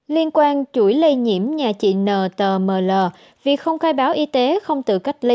liên quan chuỗi lây nhiễm nhà chị n t m l việc không khai báo y tế không tự cách ly